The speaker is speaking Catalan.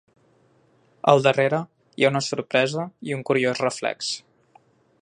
Al darrere hi ha una sorpresa i un curiós reflex.